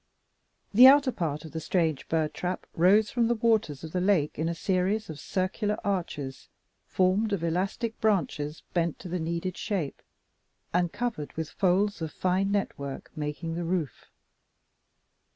The outer part of the strange bird trap rose from the waters of the lake in a series of circular arches, formed of elastic branches bent to the needed shape, and covered with folds of fine network, making the roof.